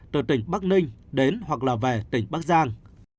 từ tỉnh bắc ninh đến hoặc là về tỉnh bắc giang